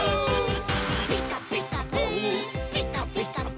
「ピカピカブ！ピカピカブ！」